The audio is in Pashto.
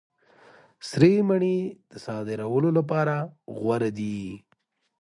سرې مڼې د صادرولو لپاره غوره دي.